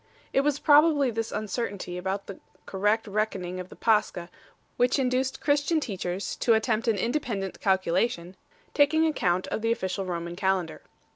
It was probably this uncertainty about the correct reckon ing of the Pascha which induced Christian teachers to attempt an independent calculation, taking account of the official Roman calendar.